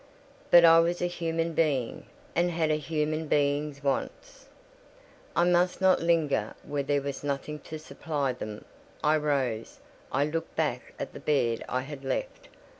But I was a human being, and had a human being's wants: I must not linger where there was nothing to supply them. I rose; I looked back at the bed I had left.